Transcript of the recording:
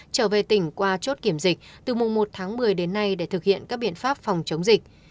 trở về tỉnh qua chốt kiểm dịch từ mùng một tháng một mươi đến nay để thực hiện các biện pháp phòng chống dịch